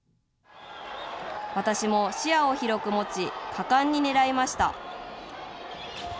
私も視野を広く持ち果敢に狙いました。